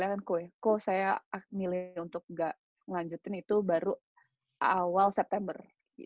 kok saya milih untuk gak lanjutin itu baru awal september